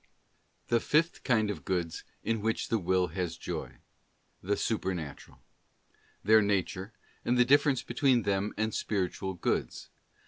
The fifth kind of goods, in which the Will has Joy: the Supernatural. Their nature, and the difference between them and Spiritual Goods.